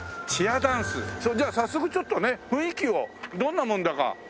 じゃあ早速ちょっとね雰囲気をどんなもんだか。